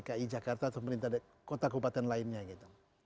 pemerintah dki jakarta atau pemerintah kota kubatan lainnya gitu